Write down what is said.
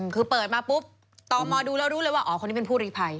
คือเปิดมาปุ๊บต่อมอดูแล้วรู้เลยว่าอ๋อคนนี้เป็นผู้รีภัย